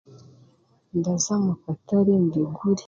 Ndaza mukataare mbigure.